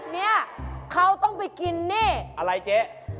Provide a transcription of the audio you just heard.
เนี่ยเขาต้องไปกินนี่อะไรเจ๊